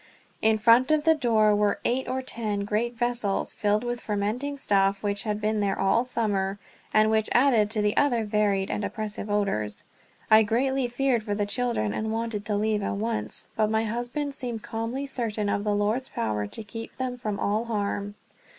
In front of the door were eight or ten great vessels, filled with fermenting stuff which had been there all summer, and which added to the other varied and oppressive odors. I greatly feared for the children, and wanted to leave at once, but my husband seemed calmly certain of the Lord's power to keep them from all harm.